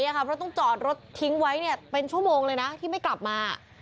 เพราะต้องจอดรถทิ้งไว้เป็นชั่วโมงเลยนะที่ไม่กลับมา